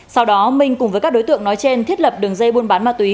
sau đó minh cùng với các đối tượng nói trên thiết lập đường dây buôn bán ma túy